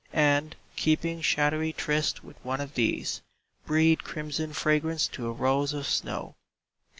And, keeping shadowy tryst with one of these. Breathe crimson fragrance to a rose of snow.